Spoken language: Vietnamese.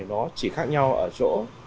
nó chỉ khác nhau ở chỗ